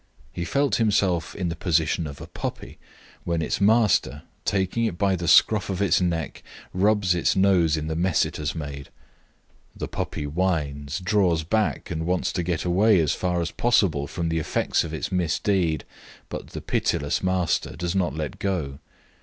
He felt himself in the position of a puppy, when its master, taking it by the scruff of its neck, rubs its nose in the mess it has made. The puppy whines, draws back and wants to get away as far as possible from the effects of its misdeed, but the pitiless master does not let go.